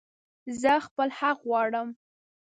زه خپل حق غواړم